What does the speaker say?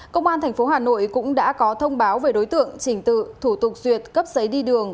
công an tp hà nội cũng đã có thông báo về đối tượng trình tự thủ tục duyệt cấp giấy đi đường